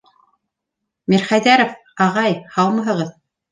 Мирхәйҙәров... ағай! һаумыһығыҙ!